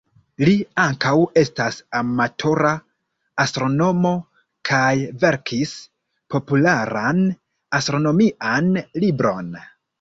Li ankaŭ estas amatora astronomo kaj verkis popularan astronomian libron.